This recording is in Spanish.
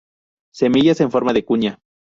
Semillas en forma de cuña.